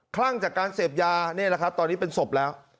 คลั่งจากการเสพยานี่แหละครับตอนนี้เป็นศพแล้ว